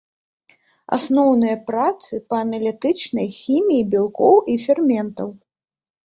Асноўныя працы па аналітычнай хіміі бялкоў і ферментаў.